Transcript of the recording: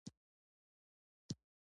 قلم له زړه سره خبرې کوي